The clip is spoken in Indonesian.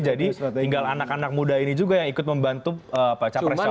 jadi tinggal anak anak muda ini juga yang ikut membantu capres capresnya masing masing